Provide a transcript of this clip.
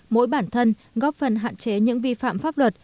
mỗi bản thân góp phần hạn chế những vi phạm pháp luật